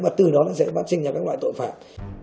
và từ đó nó dễ phát sinh ra các loại tội phạm